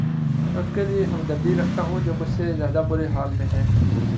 ان کے لیے ہمدردی رکھتا ہوں جو مچھ سے زیادہ برے حال میں ہیں